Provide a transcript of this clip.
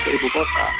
ke ibu kota